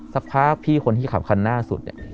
สักคราบพี่คนที่ขับคันหน้าสุด